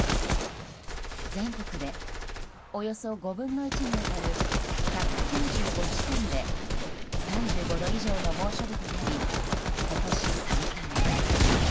全国でおよそ５分の１に当たる１９５地点で３５度以上の猛暑日となり今年最多に。